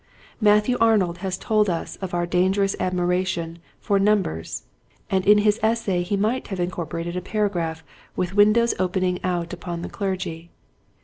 Matthew Arnold has told us of our dangerous admiration for numbers, and in his essay he might have incorporated a paragraph with windows opening out upon the clergy.